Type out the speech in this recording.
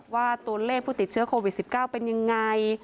ว่าตัวเลขผู้ติดเชื้อโควิด๑๙เป็นยังไง